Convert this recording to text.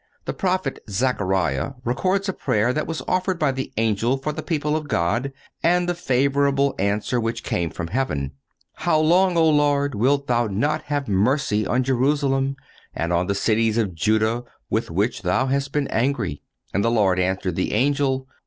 (205) The prophet Zachariah records a prayer that was offered by the angel for the people of God, and the favorable answer which came from heaven: "How long, O Lord, wilt Thou not have mercy on Jerusalem, and on the cities of Juda, with which Thou hast been angry?... And the Lord answered the angel